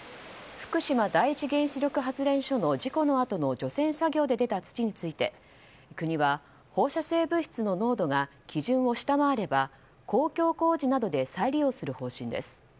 福島第一原子力発電所の事故のあとの除染作業で出た土について国は放射性物質の濃度が基準を下回れば公共工事などで再利用する方針です。